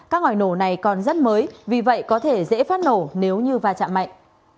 các loài nổ này còn rất mới vì vậy có thể dễ phát nổ nếu như va chạm mạnh